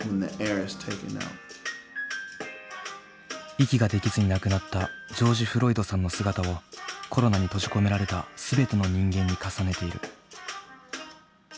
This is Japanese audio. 息ができずに亡くなったジョージ・フロイドさんの姿をコロナに閉じ込められた全ての人間に重ねている。